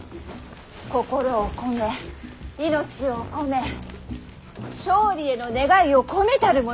心を込め命を込め勝利への願いを込めたるものだからじゃ！